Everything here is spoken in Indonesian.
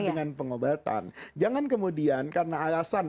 dengan pengobatan jangan kemudian karena alasan